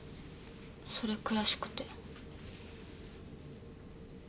それ悔しくて。